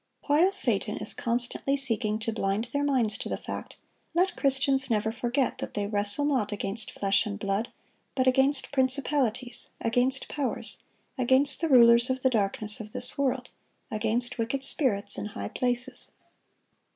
While Satan is constantly seeking to blind their minds to the fact, let Christians never forget that they "wrestle not against flesh and blood, but against principalities, against powers, against the rulers of the darkness of this world, against wicked spirits in high places."